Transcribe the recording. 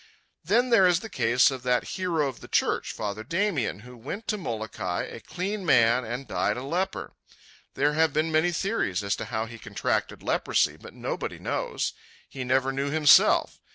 Then there is the case of that hero of the Church, Father Damien, who went to Molokai a clean man and died a leper. There have been many theories as to how he contracted leprosy, but nobody knows. He never knew himself.